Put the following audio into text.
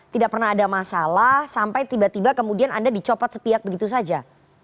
tidak pernah ada masalah sampai tiba tiba kemudian anda dicopot sepiak begitu saja